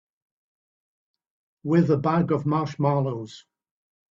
With a bag of marshmallows.